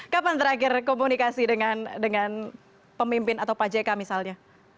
kapan terakhir komunikasi dengan pemimpin atau pak jk misalnya